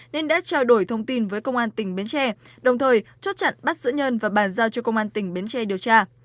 nên đã trao đổi thông tin với công an tỉnh bến tre đồng thời chốt chặn bắt giữ nhân và bàn giao cho công an tỉnh bến tre điều tra